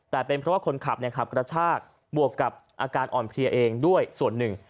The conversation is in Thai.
แต่เป็นเพราะว่าคนขับขับกระชากบวกกับอาการอ่อนเพลียเองด้วยส่วนหนึ่ง